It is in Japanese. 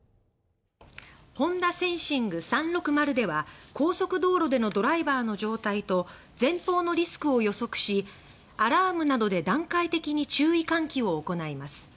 「ＨｏｎｄａＳＥＮＳＩＮＧ３６０」では高速道路でのドライバーの状態と前方のリスクを予測しアラームなどで段階的に注意喚起を行います。